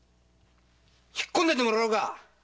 引っ込んでてもらおうか‼